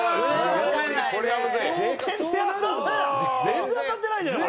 全然当たってないじゃん。